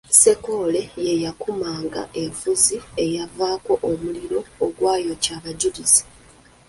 Ssenkoole yeyakuumanga enfuuzi eyavangako omuliro ogwayokya Abajulizi.